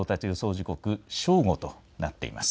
時刻、正午となっています。